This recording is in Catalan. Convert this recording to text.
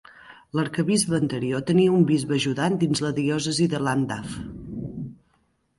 L'arquebisbe anterior tenia un bisbe ajudant dins la diòcesi de Llandaff.